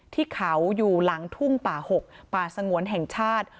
ที่เขาอยู่หลังทุ่งป่า๖ป่าสงวนแห่งชาติ